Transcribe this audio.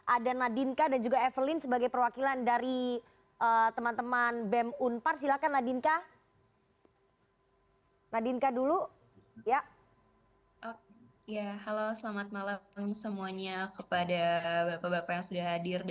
ada nadinka dan juga evelyn sebagai perwakilan dari teman teman bem unpar silakan nadinka